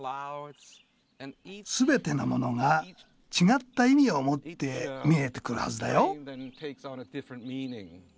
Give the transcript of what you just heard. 全てのものが違った意味を持って見えてくるはずだよ。